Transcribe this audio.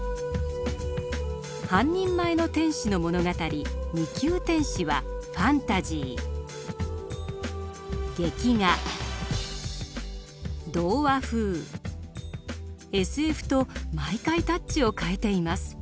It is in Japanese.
半人前の天使の物語「二級天使」はファンタジー劇画童話風ＳＦと毎回タッチを変えています。